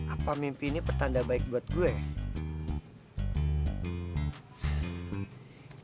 apa mimpi ini pertanda baik buat gua ya